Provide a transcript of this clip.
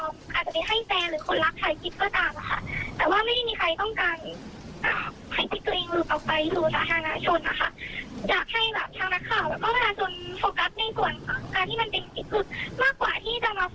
มากกว่าที่จะมาโฟกัสในส่วนว่า